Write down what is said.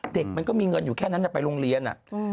มันก็มีเงินอยู่แค่นั้นไปโรงเรียน